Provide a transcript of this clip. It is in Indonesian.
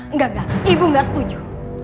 enggak enggak ibu nggak setuju